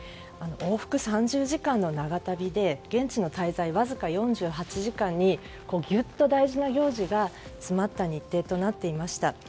往復３０時間の長旅で現地の滞在はわずか４８時間にギュッと大事な行事が詰まった日程となっていました。